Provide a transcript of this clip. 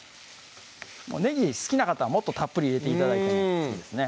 ねぎ好きな方はもっとたっぷり入れて頂いてもいいですね